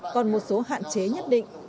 còn một số hạn chế nhất định